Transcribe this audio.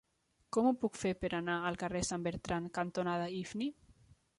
Com ho puc fer per anar al carrer Sant Bertran cantonada Ifni?